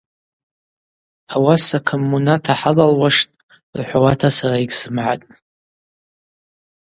Ауаса коммуната хӏалалуаштӏ–рхӏвауата сара йыгьсымгӏатӏ.